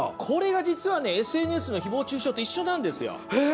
これが実はＳＮＳの誹謗中傷と同じなんですよ。